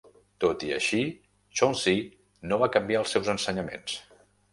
Tot i així, Chauncy no va canviar els seus ensenyaments.